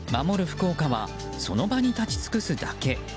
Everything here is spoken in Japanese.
福岡はその場に立ち尽くすだけ。